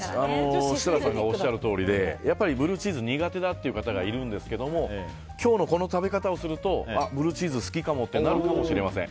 設楽さんがおっしゃるとおりでブルーチーズが苦手だっていう方がいるんですけど今日のこの食べ方をするとブルーチーズ好きかもってなるかもしれません。